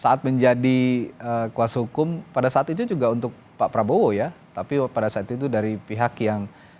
saat menjadi kuasa hukum pada saat itu juga untuk pak prabowo ya tapi pada saat itu dari pihak yang